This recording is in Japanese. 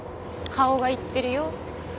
顔が言ってるよ。